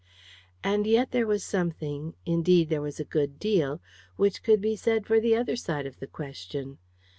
And yet there was something; indeed, there was a good deal, which could be said for the other side of the question.